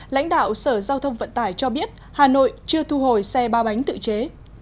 lãnh đạo sở giao thông vận tải cho biết hà nội chưa thu hồi xe ba bánh tự chế